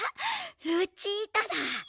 ルチータだ。